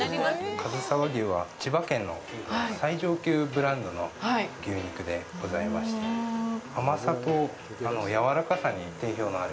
かずさ和牛は千葉県の最上級ブランドの牛肉でございまして、甘さとやわらかさに定評のある。